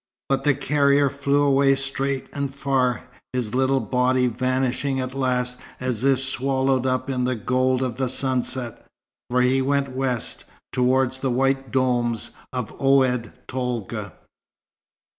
But the carrier flew away straight and far, his little body vanishing at last as if swallowed up in the gold of the sunset. For he went west, towards the white domes of Oued Tolga.